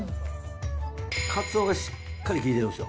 カツオがしっかり効いてるんですよ。